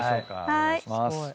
お願いします。